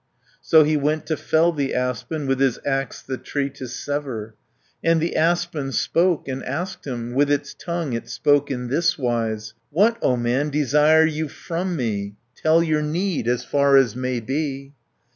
So he went to fell the aspen, With his axe the tree to sever, And the aspen spoke and asked him, With its tongue it spoke in thiswise: 30 "What, O man, desire you from me? Tell your need, as far as may be."